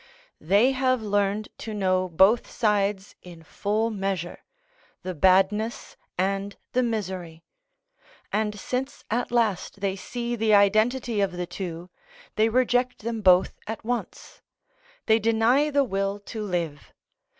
They have learned to know both sides in full measure, the badness and the misery; and since at last they see the identity of the two, they reject them both at once; they deny the will to live.